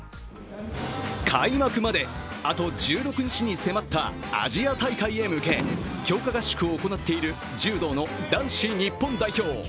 開幕まであと１６日に迫ったアジア大会へ向け強化合宿を行っている柔道の男子日本代表。